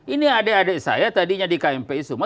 ini adik adik saya tadinya di kmp semua